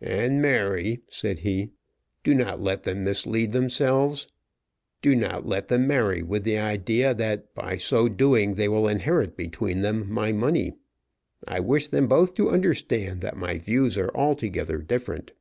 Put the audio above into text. "And, Mary," said he, "do not let them mislead themselves. Do not let them marry with the idea that by so doing they will inherit between them my money. I wish them both to understand that my views are altogether different."